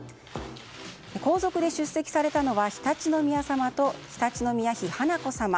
皇族で出席されたのは常陸宮さまと常陸宮妃華子さま。